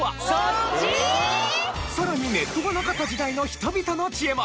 さらにネットがなかった時代の人々の知恵も。